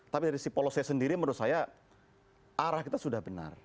tapi dari sisi polosnya sendiri menurut saya arah kita sudah benar